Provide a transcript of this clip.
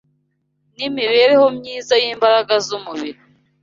n’imibereho myiza y’imbaraga z’umubiri